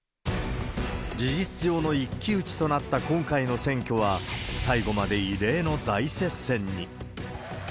事実上の一騎打ちとなった今回の選挙は、最後まで異例の大接戦に。